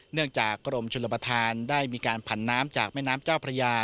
จากกรมชนประธานได้มีการผันน้ำจากแม่น้ำเจ้าพระยา